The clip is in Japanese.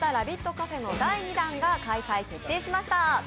カフェの第２弾が開催決定しました。